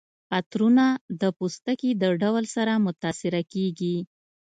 عطرونه د پوستکي د ډول سره متاثره کیږي.